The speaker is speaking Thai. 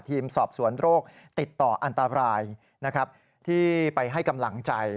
ทีมสอบสวนโรคติดต่ออันตรายนะครับที่ไปให้กำลังใจ